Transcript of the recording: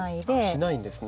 しないんですね。